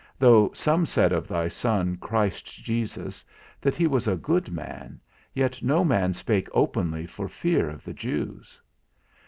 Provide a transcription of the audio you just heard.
Though some said of thy Son, Christ Jesus, that he was a good man, yet no man spake openly for fear of the Jews.